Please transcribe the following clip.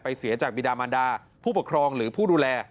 เสียจากบิดามันดาผู้ปกครองหรือผู้ดูแล